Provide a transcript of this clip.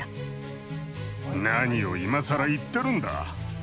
何を今更言ってるんだ。